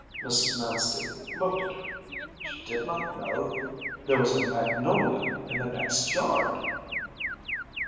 Mrs. Manstey looked at her; she did not know that there was a magnolia in the next yard!